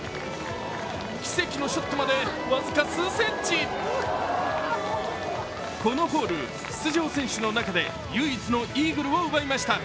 奇跡のショットまで、僅か数センチこのホール、出場選手の中で唯一のイーグルを奪いました。